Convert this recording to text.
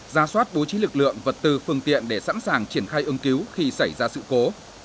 ra soát bố trí lực lượng vật tư phương tiện để sẵn sàng triển khai ứng cứu khi xảy ra sự cố